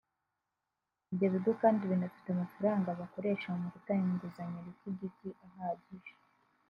Ibyo bigo kandi binafite amafaranga bakoresha mu gutanga inguzayo [Liquidity] ahagije